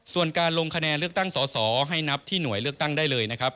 ส่วนการลงคะแนนเลือกตั้งสอสอให้นับที่หน่วยเลือกตั้งได้เลยนะครับ